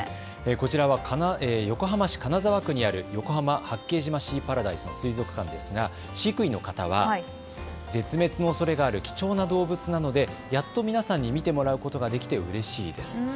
こちらは横浜市金沢区にある横浜・八景島シーパラダイスの水族館ですが飼育員の方は絶滅のおそれがある貴重な動物なのでやっと皆さんに見てもらうことができてうれしいです。